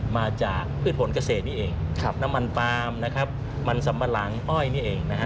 มาจากพืชผลเกษตรนี้เองน้ำมันปาล์มมันสำมรังอ้อยนี้เอง